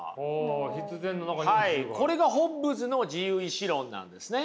これがホッブズの自由意志論なんですね。